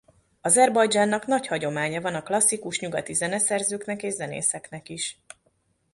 Azerbajdzsánnak nagy hagyománya van a klasszikus nyugati zeneszerzőknek és zenészeknek is.